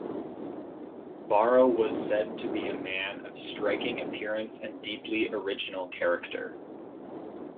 Borrow was said to be a man of striking appearance and deeply original character.